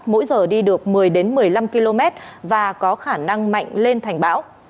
mỗi giờ đi được một mươi một mươi năm km và có khả năng mạnh lên thành bão